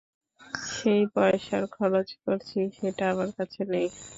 সেই পয়সার খরচ করছি, যেটা আমার কাছে নেই।